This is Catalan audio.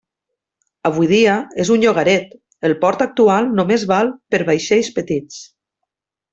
Avui dia és un llogaret; el port actual només val per vaixells petits.